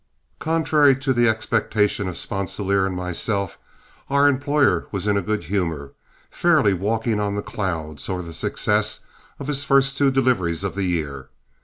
Contrary to the expectation of Sponsilier and myself, our employer was in a good humor, fairly walking on the clouds over the success of his two first deliveries of the year.